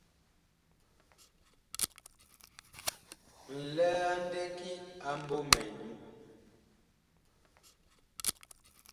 Nlɛɛ a ndɛki a MBƆMƐ nyu.